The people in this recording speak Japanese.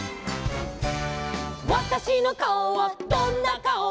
「わたしのかおはどんなかお」